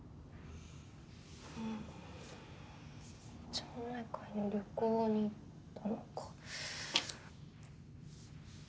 町内会の旅行に行ったのか。